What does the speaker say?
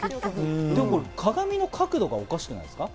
これ、鏡の角度がおかしくないですか？